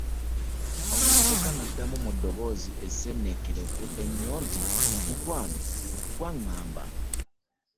Omuvubuka n'addamu mu ddoboozi esseeneekerevu ennyo nti "mukwano ggwe ng'amba.